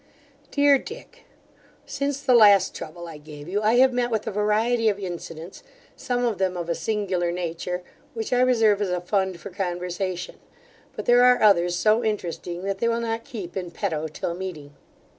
DEAR DICK, Since the last trouble I gave you, I have met with a variety of incidents, some of them of a singular nature, which I reserve as a fund for conversation; but there are others so interesting, that they will not keep in petto till meeting.